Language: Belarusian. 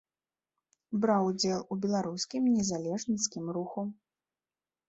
Браў удзел у беларускім незалежніцкім руху.